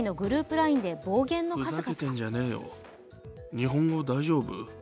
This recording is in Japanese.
ＬＩＮＥで暴言の数々が。